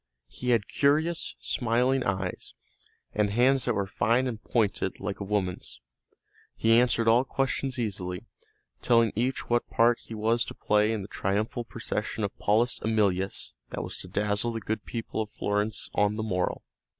He had curious, smiling eyes, and hands that were fine and pointed like a woman's. He answered all questions easily, telling each what part he was to play in the triumphal procession of Paulus Æmilius that was to dazzle the good people of Florence on the morrow.